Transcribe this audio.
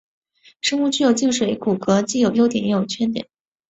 生物具有静水骨骼既有优点也有缺点。